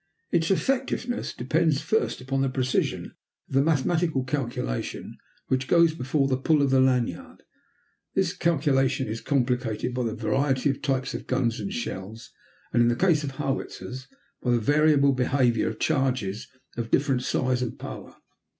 Its effectiveness depends first upon the precision of the mathematical calculation which goes before the pull of the lanyard. This calculation is complicated by the variety of types of guns and shells, and, in the case of howitzers, by the variable behavior of charges of different size and power.